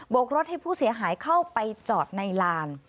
กรถให้ผู้เสียหายเข้าไปจอดในลาน